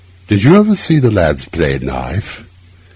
Did you ever see the lads play knife?